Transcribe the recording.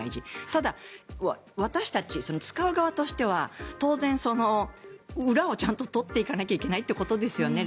ただ、私たち使う側としては当然、裏を取っていかなきゃいけないということですよね。